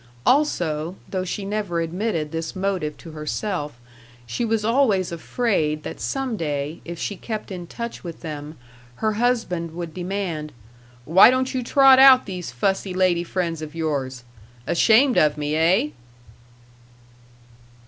Also, though she never admitted this motive to herself, she was always afraid that some day, if she kept in touch with them, her husband would demand: "Why don't you trot out these fussy lady friends of yours? Ashamed of me, eh?"